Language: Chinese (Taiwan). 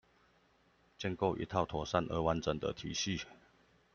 建構一套妥善而完整的體系